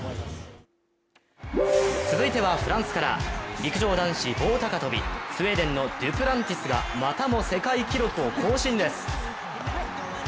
陸上男子棒高跳び、スウェーデンのデュプランティスがまたも世界記録を更新です。